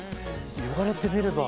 言われてみれば。